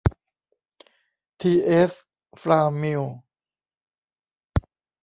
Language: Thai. ที เอส ฟลาวมิลล์